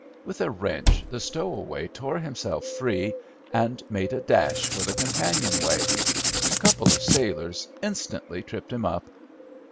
With a wrench the stowaway tore himself free and made a dash for the companion way. A couple of sailors instantly tripped him up.